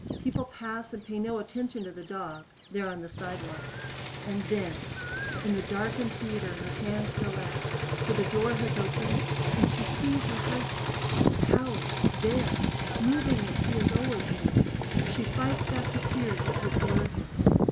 People pass and pay no attention to the dog there on the sidewalk. And then in the darkened theater her hands go out, for the door has opened and she sees her husband! Howie. There. Moving as he always moved! She fights back the tears that would blur him.